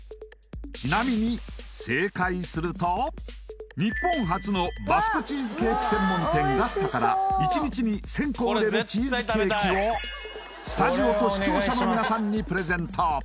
ちなみに日本初のバスクチーズケーキ専門店ＧＡＺＴＡから１日に１０００個売れるチーズケーキをスタジオと視聴者の皆さんにプレゼント